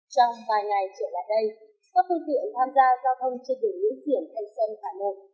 trong vài ngày trở lại đây các phương tiện tham gia giao thông trên đường nguyễn xiển thành sơn hà nội